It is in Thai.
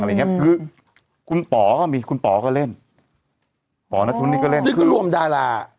อย่างเงี้ยคือคุณป๋อก็มีคุณป๋อก็เล่นป๋อนัทธวุนี่ก็เล่นนี่คือร่วมดารา